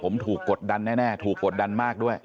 ผมถูกกดดันแน่ถูกกดดันมากด้วย